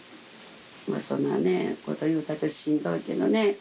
まぁそんなこと言うたってしんどいけどね。